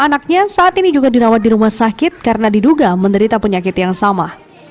anaknya saat ini juga dirawat di rumah sakit karena diduga menderita penyakit yang sama